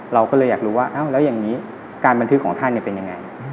เราก็เลยอยากรู้ว่าแล้วอย่างนี้การบันทึกของท่านเป็นยังไง